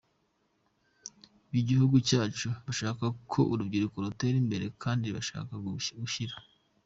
bigihugu cyacu bashaka ko urubyiruko rutera imbere kandi bashaka gushyira.